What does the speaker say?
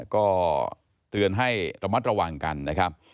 ก็เตือนให้ระมัดระวังกันนะครับ